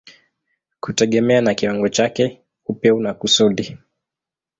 kutegemea na kiwango chake, upeo na kusudi.